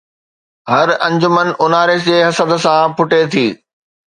هر انجمن اونهاري جي حسد سان ڦٽي ٿي